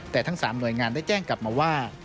แต่ทั้ง๓หน่วยงานได้แจ้งกลับมาว่า